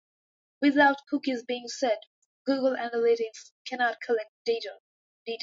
Without cookies being set, Google Analytics cannot collect data.